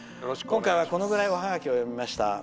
今回は、このぐらいおハガキを読みました。